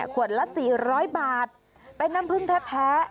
ขวดละ๔๐๐บาทเป็นน้ำพึ่งแท้